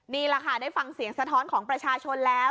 นี่แหละค่ะได้ฟังเสียงสะท้อนของประชาชนแล้ว